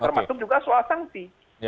termasuk juga soal sanksi